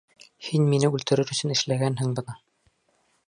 Һин мине үлтерер өсөн эшләгәнһең быны!